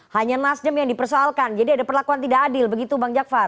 hanya nasdem yang dipersoalkan jadi ada perlakuan tidak adil begitu bang jakfar